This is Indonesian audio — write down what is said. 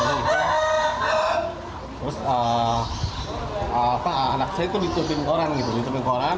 terus anak saya itu ditutupin ke orang gitu ditutupin ke orang